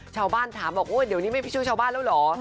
ชาวบ้านถามมันบอกเดี๋ยวนี้ไม่ช่วยชาวบ้านแล้วเหรอ